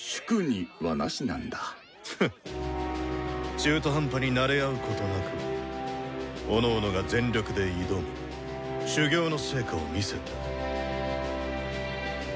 中途半端になれ合うことなくおのおのが全力で挑み修業の成果を見せた。